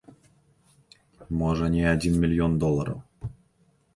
Можа, не адзін мільён долараў.